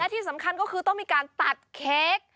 ที่สำคัญก็คือต้องมีการตัดเค้ก